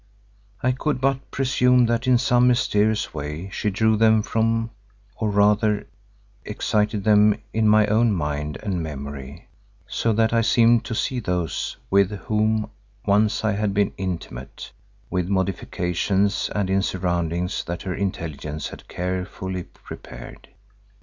I could but presume that in some mysterious way she drew them from, or rather excited them in my own mind and memory, so that I seemed to see those with whom once I had been intimate, with modifications and in surroundings that her intelligence had carefully prepared.